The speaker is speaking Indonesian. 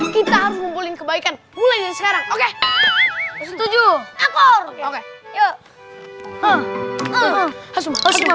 kita mempunyai kebaikan mulai sekarang oke setuju aku